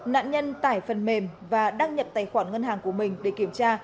nạn nhân tải phần mềm và đăng nhập tài khoản ngân hàng của mình để kiểm tra